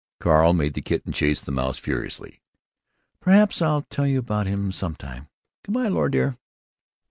Carl made the kitten chase the mouse furiously. "Perhaps I'll tell you about him some time.... Good by, Laura dear."